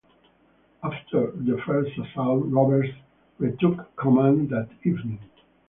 After the first assault Roberts retook command that evening.